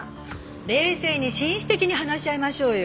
冷静に紳士的に話し合いましょうよ。